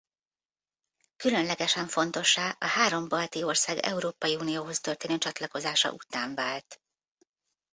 Különlegesen fontossá a három balti ország Európai Unióhoz történő csatlakozása után vált.